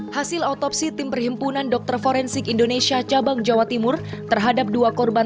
hai hasil otopsi tim perhimpunan dokter forensik indonesia cabang jawa timur terhadap dua korban